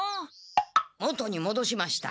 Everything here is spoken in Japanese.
元にもどしました。